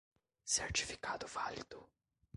Certificado válido